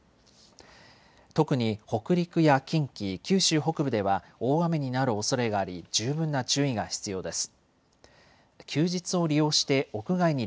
特に北陸や近畿、九州北部では大雨になるおそれがあり十分な注意が必要です。